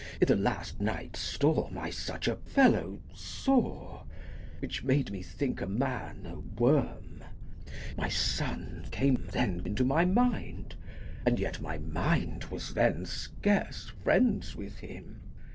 I' th' last night's storm I such a fellow saw, Which made me think a man a worm. My son Came then into my mind, and yet my mind Was then scarce friends with him.